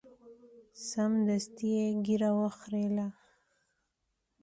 سمدستي یې ږیره وخریله.